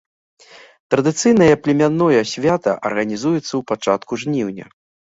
Традыцыйнае племянное свята арганізуецца ў пачатку жніўня.